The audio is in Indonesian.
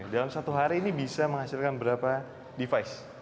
dalam satu hari ini bisa menghasilkan berapa device